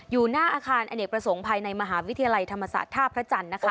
อยู่หน้าอาคารอเนกประสงค์ภายในมหาวิทยาลัยธรรมศาสตร์ท่าพระจันทร์นะคะ